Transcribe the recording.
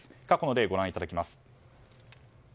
過去の例をご覧いただきます。